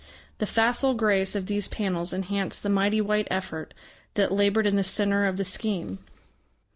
The facile grace of these panels enhanced the mighty white effort that laboured in the centre of the scheme.